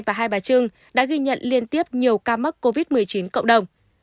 và hai bà trưng đã ghi nhận liên tiếp nhiều ca mắc covid một mươi chín cộng đồng